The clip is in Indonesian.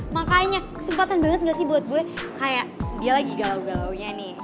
makanya kesempatan banget gak sih buat gue kayak dia lagi galau galaunya nih